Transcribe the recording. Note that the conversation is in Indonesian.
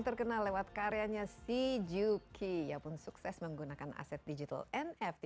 terkenal lewat karyanya si juki yang pun sukses menggunakan aset digital nfc